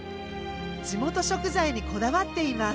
地元食材にこだわっています。